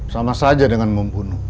sama saja dengan membunuh